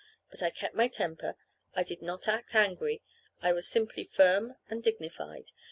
But I kept my temper. I did not act angry. I was simply firm and dignified.